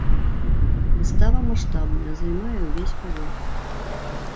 Выстава маштабная, займае ўвесь паверх.